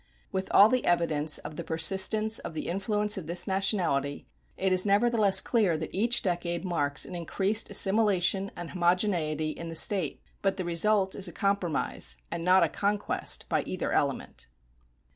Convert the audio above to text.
With all the evidence of the persistence of the influence of this nationality, it is nevertheless clear that each decade marks an increased assimilation and homogeneity in the State; but the result is a compromise, and not a conquest by either element.